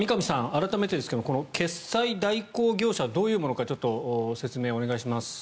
改めてですが決済代行業者どういうものか説明をお願いします。